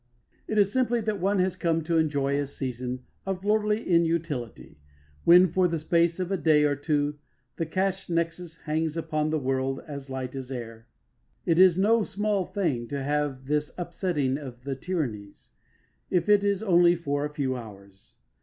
It is simply that one has come to enjoy a season of lordly inutility, when for the space of a day or two the cash nexus hangs upon the world as light as air. It is no small thing to have this upsetting of the tyrannies, if it is only for a few hours.